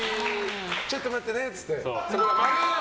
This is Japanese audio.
ちょっと待ってねって言って。